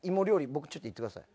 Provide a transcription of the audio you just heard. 僕にちょっと言ってください。